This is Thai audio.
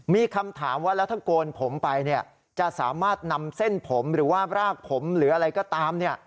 มีคำถามว่าแล้วถ้าโกนผมไปจะสามารถนำเส้นผมหรือว่ารากผมหรืออะไรก็ตาม